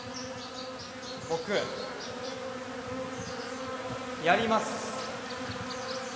僕やります。